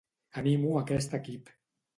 Animo a aquest equip.